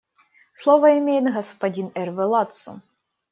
Слово имеет господин Эрве Ладсу.